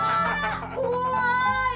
怖い！